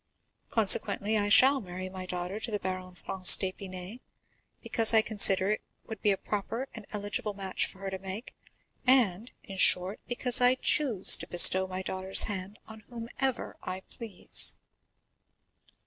Consequently I shall marry my daughter to the Baron Franz d'Épinay, because I consider it would be a proper and eligible match for her to make, and, in short, because I choose to bestow my daughter's hand on whomever I please."